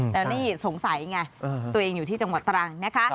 แต่นี่สงสัยไงตัวเองอยู่ที่จังหวัดตรังนะคะ